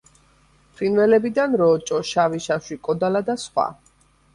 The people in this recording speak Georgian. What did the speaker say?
ფრინველებიდან: როჭო, შავი შაშვი, კოდალა და სხვა.